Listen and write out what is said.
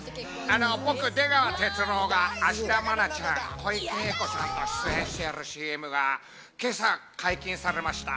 僕、出川哲朗が芦田愛菜ちゃん、小池栄子さんと出演しているＣＭが今朝解禁されました。